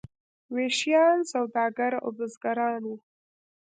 ویشیان سوداګر او بزګران وو.